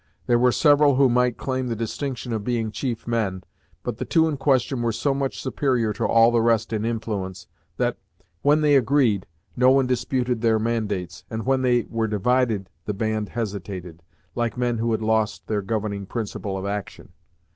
There were several who might claim the distinction of being chief men, but the two in question were so much superior to all the rest in influence, that, when they agreed, no one disputed their mandates, and when they were divided the band hesitated, like men who had lost their governing principle of action.